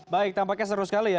baik tampaknya seru sekali ya